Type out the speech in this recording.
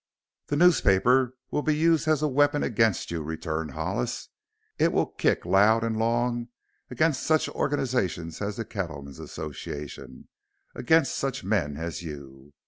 "The newspaper will be used as a weapon against you," returned Hollis. "It will kick loud and long against such organizations as the Cattlemen's Association against such men as you.